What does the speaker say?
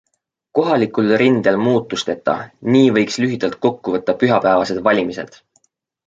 Kohalikul rindel muutusteta - nii võiks lühidalt kokku võtta pühapäevased valimised.